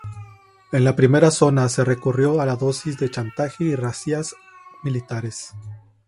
En la primera zona se recurrió a dosis de chantaje y razzias militares.